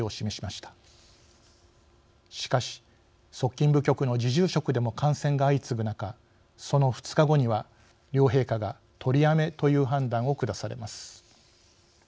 しかし、側近部局の侍従職でも感染が相次ぐ中その２日後には両陛下が取りやめという判断を下されます。